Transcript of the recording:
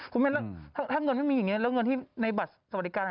หุ้นเบนถ้าเนี้ยถ้างเงินไม่มีอย่างเงี้ย้เราก็ที่ใบบัตร